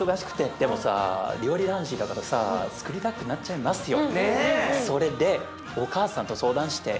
でもさ料理男子だからさつくりたくなっちゃいますよ。ね。